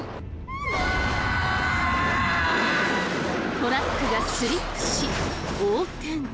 トラックがスリップし横転。